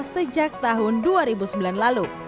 sejak tahun dua ribu sembilan lalu